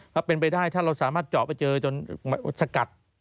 ถ้าเป็นไปได้ถ้าเราสามารถเจาะไปเจอจนสกัด